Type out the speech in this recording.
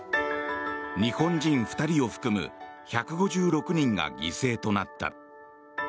日本人２人を含む１５６人が犠牲となった。